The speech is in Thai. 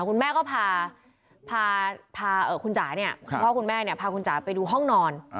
คุณแม่ก็พาพ่อคุณแม่เนี่ยพาคุณจ๋าไปดูห้องนอน